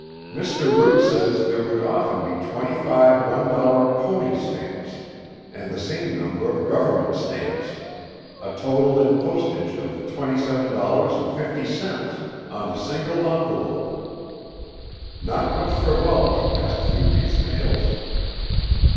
Mr. Root says there would often be twenty five one dollar "Pony" stamps and the same number of Government stamps a total in postage of twenty seven dollars and fifty cents on a single envelope. Not much frivolity passed through these mails.